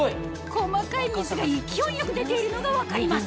細かい水が勢いよく出ているのが分かります